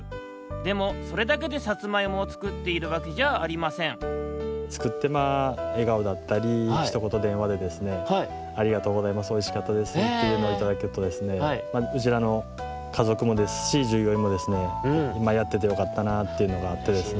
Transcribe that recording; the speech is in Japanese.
でもそれだけでさつまいもをつくっているわけじゃありませんつくってまあえがおだったりひとことでんわでですねありがとうございますおいしかったですっていうのをいただくとですねうちらのかぞくもですしじゅうぎょういんもですねやっててよかったなというのがあってですね。